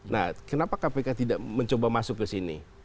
nah kenapa kpk tidak mencoba masuk ke sini